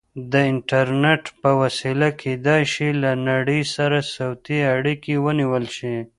د انټرنیټ په وسیله کیدای شي له نړۍ سره صوتي اړیکې ونیول شي.